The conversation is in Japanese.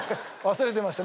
忘れてました。